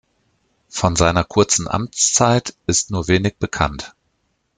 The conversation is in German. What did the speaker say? Von seiner kurzen Amtszeit ist nur wenig bekannt.